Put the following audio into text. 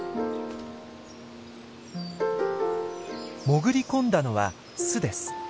潜り込んだのは巣です。